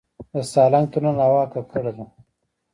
د سالنګ تونل هوا ککړه ده